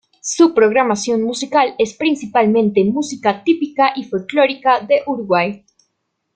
Su programación musical es principalmente música típica y folklórica del Uruguay.